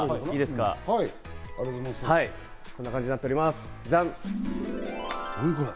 こんな感じになっております、じゃん。